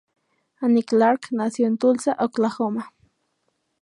Annie Clark nació en Tulsa, Oklahoma.